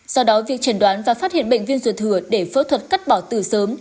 do đó việc chẩn đoán và phát hiện bệnh viên ruột thừa để phẫu thuật cắt bỏ từ sớm